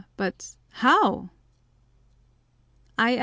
but how? I.